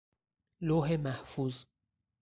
لوح محفوظ